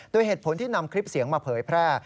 โดยเหตุผลที่นำคลิปเสียงมาเผยแพร่